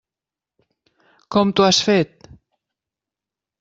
Com t'ho has fet?